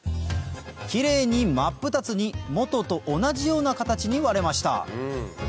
キレイに真っ二つに元と同じような形に割れました